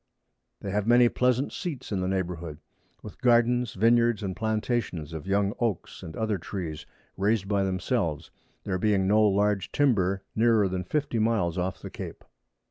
They have many pleasant Seats in the Neighbourhood, with Gardens, Vineyards, and Plantations of young Oaks, and other Trees raised by themselves; there being no large Timber nearer than 50 Miles off the Cape.